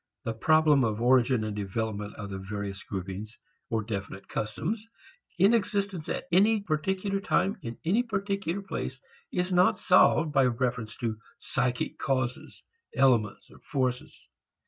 The problem of origin and development of the various groupings, or definite customs, in existence at any particular time in any particular place is not solved by reference to psychic causes, elements, forces.